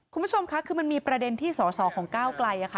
คุณผู้ชมค่ะคือมันมีประเด็นที่สอสอของก้าวไกล